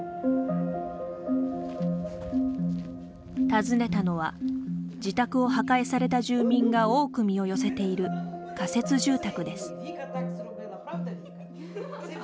訪ねたのは自宅を破壊された住民が多く身を寄せている仮設住宅です。